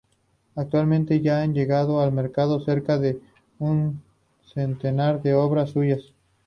Actualmente, ya han llegado al mercado cerca de un centenar de obras suyas.